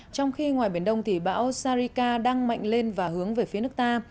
trong khi ngoài biển đông thì bão sarika đang mạnh lên và hướng về phía nước ta